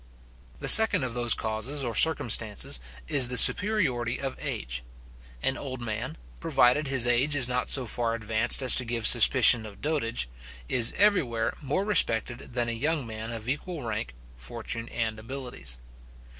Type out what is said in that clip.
The second of those causes or circumstances, is the superiority of age. An old man, provided his age is not so far advanced as to give suspicion of dotage, is everywhere more respected than a young man of equal rank, fortune, and abilities.